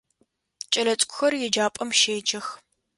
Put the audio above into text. Кӏэлэцӏыкӏухэр еджапӏэм щеджэх.